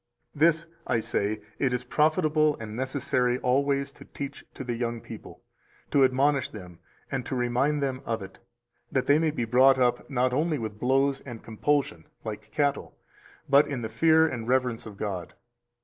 330 This (I say) it is profitable and necessary always to teach to the young people, to admonish them and to remind them of it, that they may be brought up not only with blows and compulsion, like cattle, but in the fear and reverence of God.